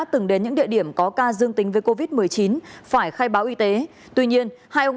từng đến những địa điểm có ca dương tính với covid một mươi chín phải khai báo y tế tuy nhiên hai ông